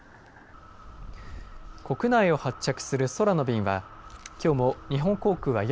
国内を発着する空の便はきょうも日本航空は４３